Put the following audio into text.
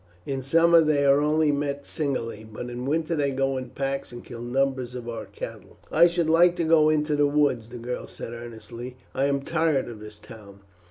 In summer they are only met singly, but in winter they go in packs and kill numbers of our cattle." "I should like to go into the woods," the girl said earnestly, "I am tired of this town.